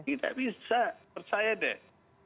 kita bisa percaya deh